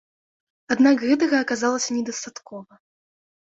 Аднак гэтага аказалася недастаткова.